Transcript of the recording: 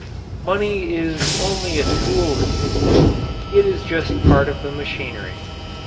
Money is only a tool in business. It is just a part of the machinery.